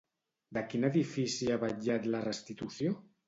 De quin edifici ha vetllat la restitució?